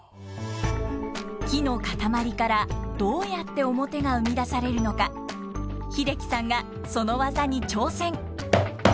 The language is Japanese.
木の塊からどうやって面が生み出されるのか英樹さんがその技に挑戦！